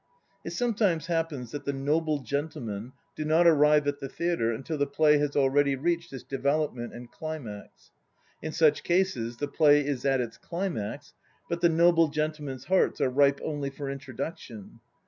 It sometimes happens that the *noble gentlemen" do not arrive at the theatre until the play has already reached its Development and Climax. In such cases the play is at its climax, but the noble fientlemen's hearts are ripe only for Introduction.